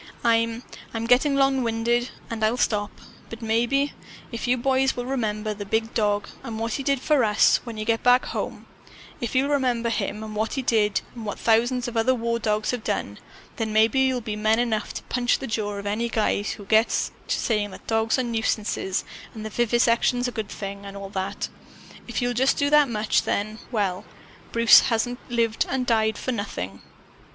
"I'm I'm getting longwinded. And I'll stop. But maybe if you boys will remember the Big Dog and what he did for us, when you get back home, if you'll remember him and what he did and what thousands of other war dogs have done, then maybe you'll be men enough to punch the jaw of any guy who gets to saying that dogs are nuisances and that vivisection's a good thing, and all that. If you'll just do that much, then well, then Bruce hasn't lived and died for nothing!